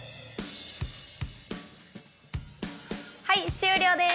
はい終了です。